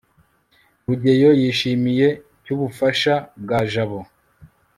rugeyo yishimiye cy ubufasha bwa jabo